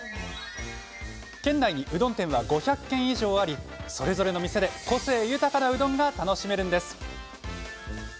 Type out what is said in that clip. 県内に、うどん店は５００軒以上ありそれぞれの店で個性豊かなうどんが楽しめるんです。